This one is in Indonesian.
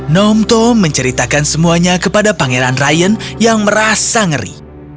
nomto menceritakan semuanya kepada pangeran ryan yang merasa ngeri